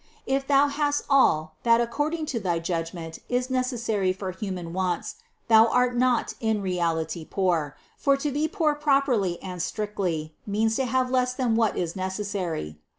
If thou hast all that ac cording to thy judgment is necessary for human wants, thou art not in reality poor ; for to be poor properly and strictly means to have less than what is necessary.